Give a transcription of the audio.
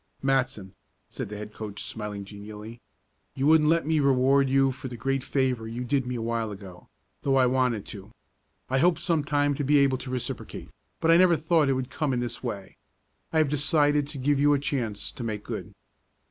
"Matson," said the head coach, smiling genially. "You wouldn't let me reward you for the great favor you did me a while ago, though I wanted to. I hoped sometime to be able to reciprocate, but I never thought it would come in this way. I have decided to give you a chance to make good."